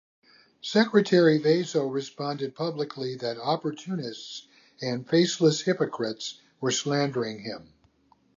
Secretary Vaso responded publicly that "opportunists" and "faceless hypocrites" were slandering him.